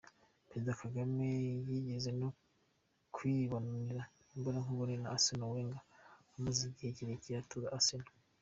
Perezida Kagame yigeze no kwibonanira imbonankubone na Arsene Wenger umaze igihe kirekire atoza Arsenal.